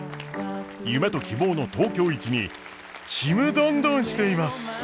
夢と希望の東京行きにちむどんどんしています！